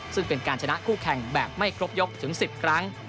ซึ่งเป็นการชนะคู่แข่งแบบไม่ครบยกถึง๑๐ครั้ง